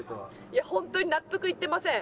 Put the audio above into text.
いや本当に納得いってません。